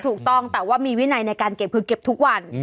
ถูกต้องแต่ว่ามีวินัยในการเก็บคือเก็บทุกวัน